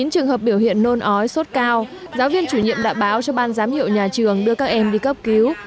chín trường hợp biểu hiện nôn ói sốt cao giáo viên chủ nhiệm đã báo cho ban giám hiệu nhà trường đưa các em đi cấp cứu